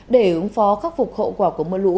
để ứng phó khắc phục hậu quả của mưa lũ